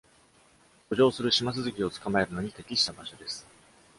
遡上するシマスズキを捕まえるのに適した場所です。